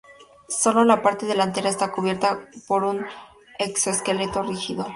Sólo la parte delantera está cubierta por un exoesqueleto rígido.